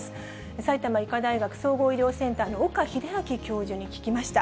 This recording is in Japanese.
埼玉医科大学総合医療センターの岡秀昭教授に聞きました。